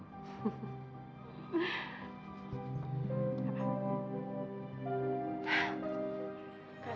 mex cukup cukup cukup cukup